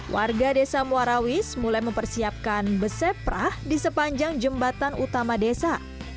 warga desa muarawis mulai mempersiapkan beseprah di sepanjang jembatan utama desa